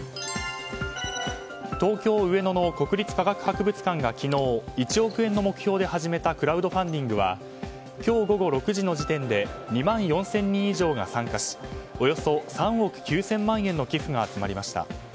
東京・上野の国立科学博物館が昨日１億円の目標で始めたクラウドファンディングは今日午後６時の時点で２万４０００人以上が参加しおよそ３億９０００万円の寄付が集まりました。